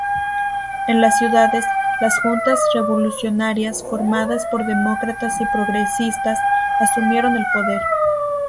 En las ciudades, las Juntas revolucionarias, formadas por demócratas y progresistas, asumieron el poder.